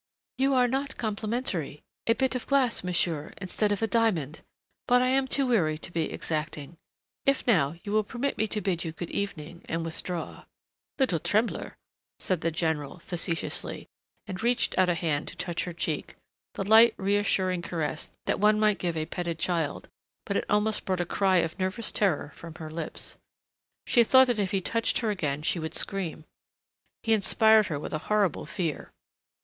"You are not complimentary a bit of glass, monsieur, instead of a diamond! But I am too weary to be exacting.... If now, you will permit me to bid you good evening and withdraw " "Little trembler," said the general facetiously, and reached out a hand to touch her cheek, the light, reassuring caress that one might give a petted child, but it almost brought a cry of nervous terror from her lips. She thought that if he touched her again she would scream. He inspired her with a horrible fear.